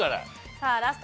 さあラスト